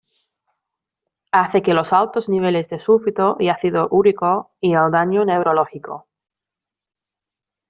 Hace que los altos niveles de sulfito y ácido úrico, y el daño neurológico.